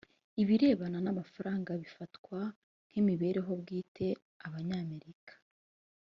ibirebana n amafaranga bifatwa nk imibereho bwite abanyamerika